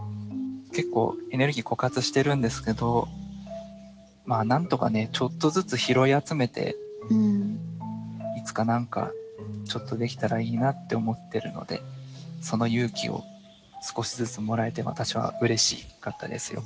結構エネルギー枯渇してるんですけどなんとかねちょっとずつ拾い集めていつか何かちょっとできたらいいなって思ってるのでその勇気を少しずつもらえて私はうれしかったですよ